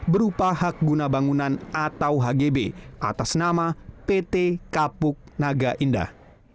berupa hak guna bangunan atau hgb atas nama pt kapuk naga indah